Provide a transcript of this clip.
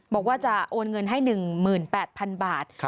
บอกว่าจะโอนเงินให้๑๘๐๐๐บาท